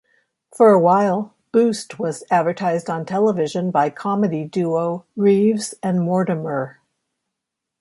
For a while Boost was advertised on television by comedy duo Reeves and Mortimer.